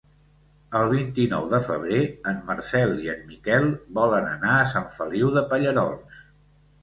El vint-i-nou de febrer en Marcel i en Miquel volen anar a Sant Feliu de Pallerols.